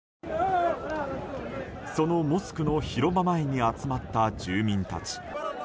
そのモスクの広場前に集まった住民たち。